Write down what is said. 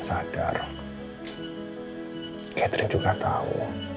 sadar catherine juga tahu